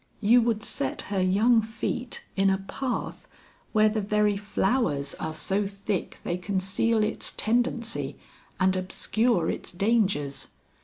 You would set her young feet in a path where the very flowers are so thick they conceal its tendency and obscure its dangers.